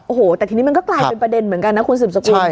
โอ้โหแต่ทีนี้มันก็กลายเป็นประเด็นเหมือนกันนะคุณสืบสกุล